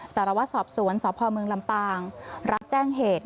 สารวัสสอบสวนสพมลำปางรัฐแจ้งเหตุ